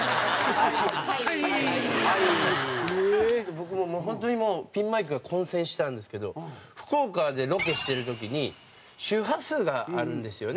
僕もホントにもうピンマイクが混線したんですけど福岡でロケしてる時に周波数があるんですよね。